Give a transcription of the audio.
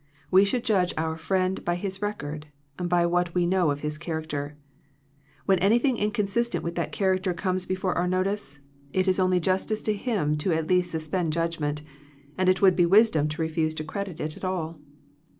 We should judge our friend by his record, by what we know of his character. When anything inconsistent with that character comes before our notice, it is only justice to him to at least suspend judgment, and it would be wisdom to refuse to credit it at all.